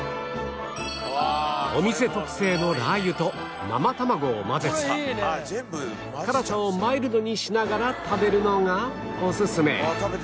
お店特製のラー油と生卵を混ぜ辛さをマイルドにしながら食べるのがオススメ